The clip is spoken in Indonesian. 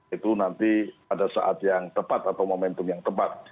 itu nanti pada saat yang tepat atau momentum yang tepat